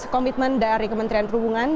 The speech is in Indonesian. komitmen dari kementerian perhubungan